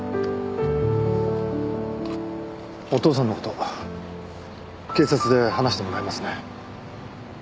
お父さんの事警察で話してもらえますね？